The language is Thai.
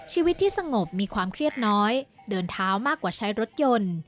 ชีวิตที่สงบมีความเครียดน้อยเดินเท้ามากกว่าใช้รถยนต์